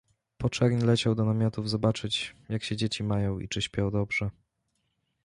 Po czerń leciał do namiotów zobaczyć, jak się dzieci mają i czy śpią dobrze.